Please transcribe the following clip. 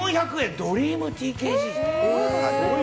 ドリームＴＫＧ！